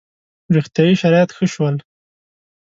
• روغتیايي شرایط ښه شول.